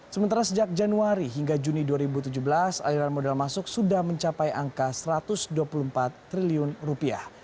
sementara sejak januari hingga juni dua ribu tujuh belas aliran modal masuk sudah mencapai angka satu ratus dua puluh empat triliun rupiah